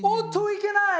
いけない！